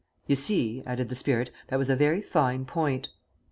You see," added the spirit, "that was a very fine point."